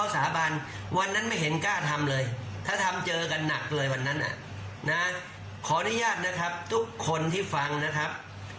มีบ้างไหมปีนึงมันไปสักกี่ครั้งนะครับ